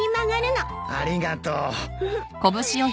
ありがとう。